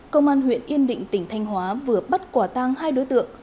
công an huyện yên định tỉnh thanh hóa vừa bắt quả tang hai đối tượng